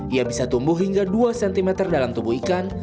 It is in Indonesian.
ia bisa tumbuh hingga dua cm dalam tubuh ikan